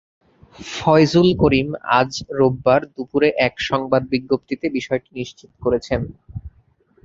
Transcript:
ফয়জুল করিম আজ রোববার দুপুরে এক সংবাদ বিজ্ঞপ্তিতে বিষয়টি নিশ্চিত করেছেন।